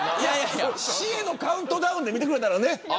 死へのカウントダウンで見てくれたらね。